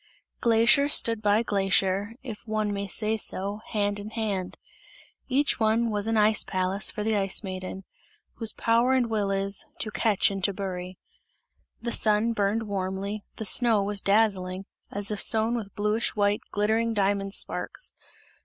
Glacier stood by glacier, if one may say so, hand in hand; each one was an ice palace for the Ice Maiden, whose power and will is: "to catch and to bury." The sun burned warmly, the snow was dazzling, as if sown with bluish white, glittering diamond sparks.